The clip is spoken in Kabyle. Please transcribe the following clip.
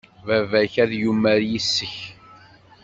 Baba-k ad yumar yes-k.